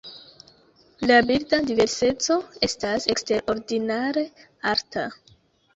La birda diverseco estas eksterordinare alta.